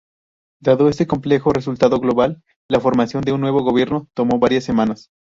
Dado este complejo resultado global, la formación de un nuevo gobierno tomó varias semanas.